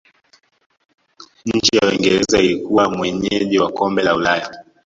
nchi ya uingereza ilikuwa mwenyeji wa kombe la Ulaya